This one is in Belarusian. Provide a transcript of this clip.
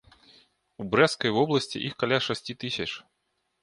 У брэсцкай вобласці іх каля шасці тысяч.